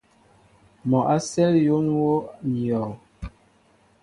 Mɔ a sέl yón í wōō ní yɔɔ.